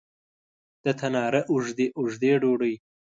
د تناره اوږدې، اوږدې ډوډۍ